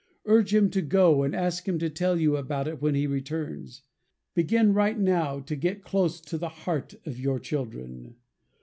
Urge him to go, and ask him to tell you all about it when he returns. Begin right now to get close to the heart of your children.